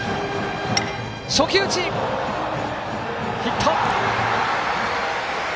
初球打ち、ヒット！